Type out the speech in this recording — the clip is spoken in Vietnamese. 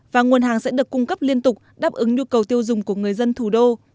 và nguồn hàng sẽ được cung cấp liên tục đáp ứng nhu cầu tiêu dùng của người dân thủ đô